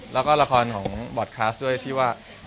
แล้วก็ละครของบอร์ดคลาสด้วยที่ว่า